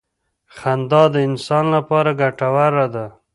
خندا د انسان لپاره ګټوره ده.